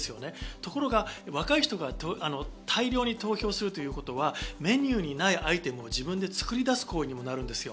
ところが若い人が大量に投票するということはメニューにないアイテムを自分で作り出す行為にもなる。